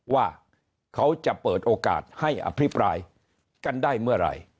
ว่าเขาจะเปิดโอกาสให้อภิปรายกันได้เมื่อไหร่